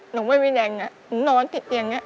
หนูไม่มีแรงนี้หนูนอนติดเกียงนี้